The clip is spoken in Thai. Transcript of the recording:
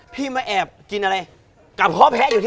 อ๋อปลาเหรอ